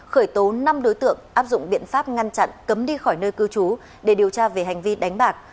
khởi tố năm đối tượng áp dụng biện pháp ngăn chặn cấm đi khỏi nơi cư trú để điều tra về hành vi đánh bạc